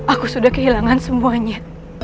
aku sudah kehilangan semuanya